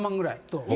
どう？」